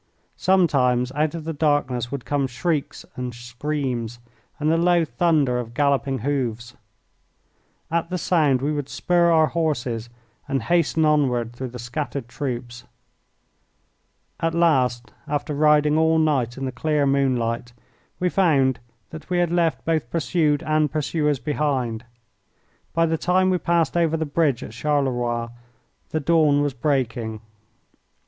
Sometimes out of the darkness would come shrieks and screams and the low thunder of galloping hoofs. At the sound we would spur our horses and hasten onward through the scattered troops. At last, after riding all night in the clear moonlight, we found that we had left both pursued and pursuers behind. By the time we passed over the bridge at Charleroi the dawn was breaking.